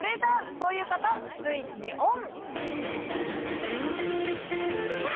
という方スイッチオン！